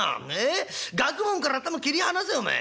学問から頭切り放せおめえ。